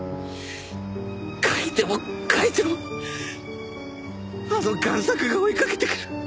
描いても描いてもあの贋作が追いかけてくる。